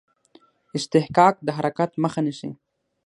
اصطکاک د حرکت مخه نیسي.